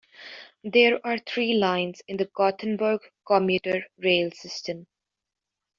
There are three lines in the Gothenburg commuter rail system.